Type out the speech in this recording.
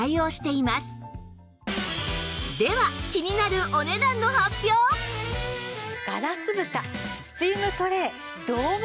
では気になるガラスぶたスチームトレードーム